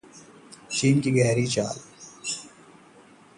चीन की गहरी चाल